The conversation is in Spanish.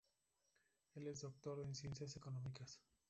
Él es un doctor en ciencias económicas.